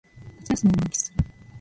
夏休みを満喫する